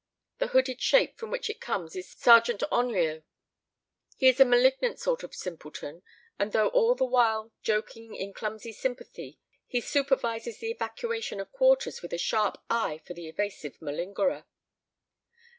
The hooded shape from which it comes is Sergeant Henriot. He is a malignant sort of simpleton, and though all the while joking in clumsy sympathy he supervises the evacuation of quarters with a sharp eye for the evasive malingerer.